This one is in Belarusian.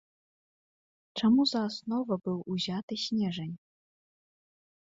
Чаму за аснову быў узяты снежань?